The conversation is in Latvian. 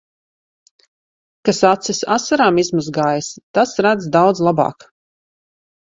Kas acis asarām izmazgājis, tas redz daudz labāk.